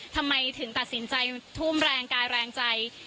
ทำไมถึงตัดสินใจทุ่มแรงกายแรงใจ